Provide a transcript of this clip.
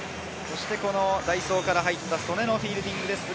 代走から入った曽根のフィールディングです。